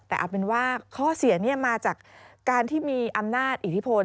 แต่เอาเป็นว่าข้อเสียมาจากการที่มีอำนาจอิทธิพล